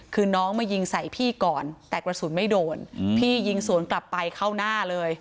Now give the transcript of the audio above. คือน้องมายิงใส่พี่ก่อนแต่กระสุนไม่โดนพี่ยิงสวนกลับไปเข้าหน้าเลย